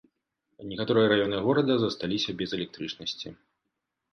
Некаторыя раёны горада засталіся без электрычнасці.